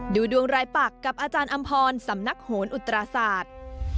ดูดวงรายปักกับอาจารย์อำพรสำนักโหนอุตราศาสตร์